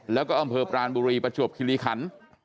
แล้วก็อำเภอปรานบุรีประจวบคิริขัน